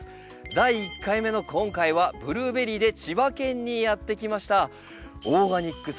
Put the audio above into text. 第１回目の今回は「ブルーベリー」で千葉県にやって来ました。